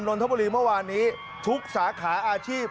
นทบุรีเมื่อวานนี้ทุกสาขาอาชีพ